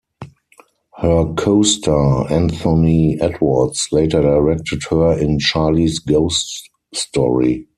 Her co-star, Anthony Edwards, later directed her in "Charlie's Ghost Story".